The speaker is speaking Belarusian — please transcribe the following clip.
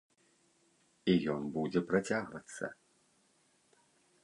І ён будзе працягвацца.